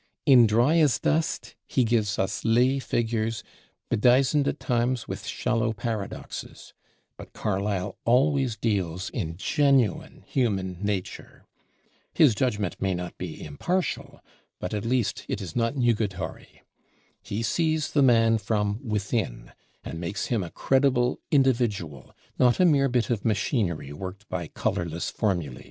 In Dryasdust he gives us lay figures, bedizened at times with shallow paradoxes; but Carlyle always deals in genuine human nature. His judgment may not be impartial, but at least it is not nugatory. He sees the man from within and makes him a credible individual, not a mere bit of machinery worked by colorless formulæ.